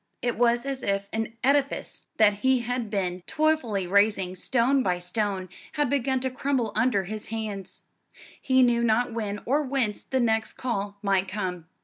It was as if an edifice that he had been toilfully raising, stone by stone, had begun to crumble under his hands. He knew not when or whence the next call might come.